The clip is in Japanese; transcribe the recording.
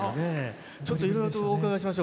ちょっといろいろとお伺いしましょう。